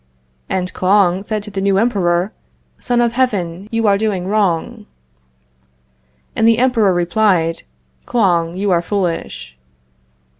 And Kouang said to the new Emperor: "Son of Heaven, you are doing wrong." And the Emperor replied: "Kouang, you are foolish."